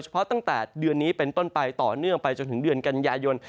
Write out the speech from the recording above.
เพราะตั้งแต่เดือนนี้เป็นต้นไปต่อเนื่องไปจนถึงเดือนกันยายน